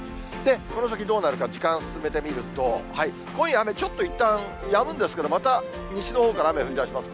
この先どうなるか、時間進めてみると、今夜の雨、いったんちょっとやむんですけど、また西のほうから雨、降りだします。